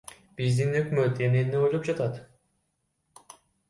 Биздин өкмөт эмнени ойлоп жатат?